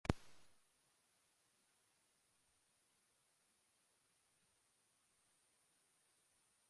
Hasiera batean lau eremutan banandu zuten Aliatuek.